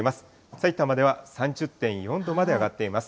さいたまでは３０．４度まで上がっています。